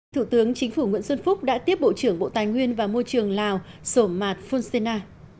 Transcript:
thủ tướng chính phủ nguyễn xuân phúc đã tiếp bộ trưởng bộ tài nguyên và môi trường lào sổ mạt phôn xê na